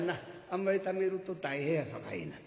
あんまりためると大変やさかいな。